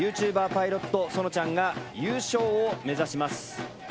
パイロットそのちゃんが優勝を目指します。